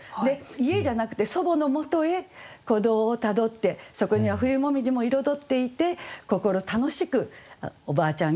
家じゃなくて祖母のもとへ古道をたどってそこには冬紅葉も彩っていて心楽しく「おばあちゃん